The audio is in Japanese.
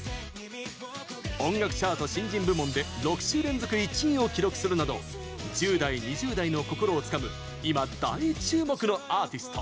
音楽チャート新人部門で６週連続１位を記録するなど１０代、２０代の心をつかむ今、大注目のアーティスト。